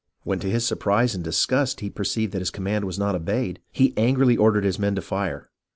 When to his surprise and disgust he perceived that his command was not obeyed, he angrily ordered his men to fire.